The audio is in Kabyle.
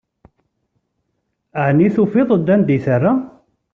Ɛni tufiḍ-d anda i terra?